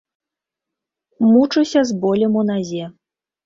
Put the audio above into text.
Мучуся з болем у назе.